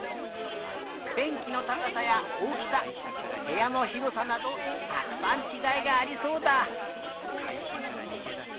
べんきのたかさやおおきさへやのひろさなどたくさんちがいがありそうだ！